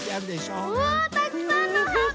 うわたくさんのはっぱ！